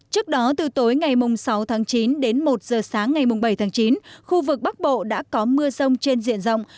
trước đó từ tối ngày sáu tháng chín đến một giờ sáng ngày bảy tháng chín khu vực bắc bộ đã có mưa rông trên diện rộng